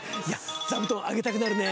座布団あげたくなるね。